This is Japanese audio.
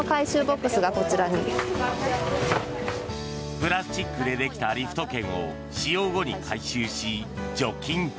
プラスチックでできたリフト券を使用後に回収し、除菌。